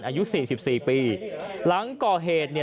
อายุสี่สิบสี่ปีหลังก่อเหตุเนี้ย